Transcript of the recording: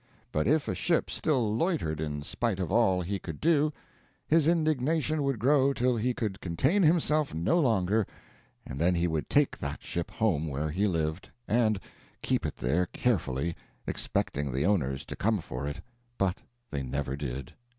But if a ship still loitered in spite of all he could do, his indignation would grow till he could contain himself no longer and then he would take that ship home where he lived and, keep it there carefully, expecting the owners to come for it, but they never did.